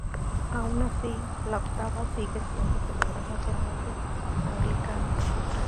Aun así, la octava sigue siendo celebrada por muchos anglicanos.